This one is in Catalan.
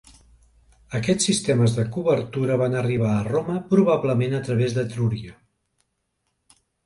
Aquests sistemes de cobertura van arribar a Roma probablement a través d'Etrúria.